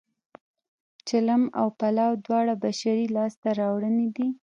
چلم او پلاو دواړه بشري لاسته راوړنې دي